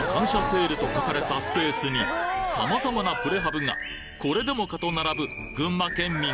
セールと書かれたスペースに様々なプレハブがこれでもか！と並ぶ群馬県民